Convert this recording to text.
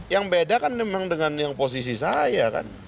yang beda kan memang dengan yang posisi saya kan